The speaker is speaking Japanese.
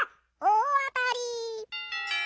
大あたり！